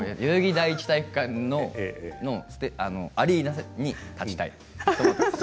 第一体育館のアリーナに立ちたい。